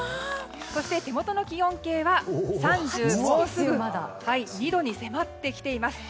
そして手元の気温計はもうすぐ３２度に迫ってきています。